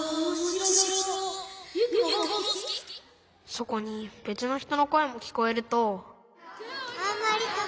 ☎そこにべつのひとのこえもきこえると。